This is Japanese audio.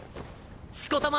しこたま